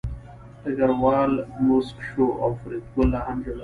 ډګروال موسک شو او فریدګل لا هم ژړل